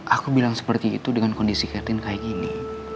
aku bilang seperti itu dengan kondisi catin kayak gini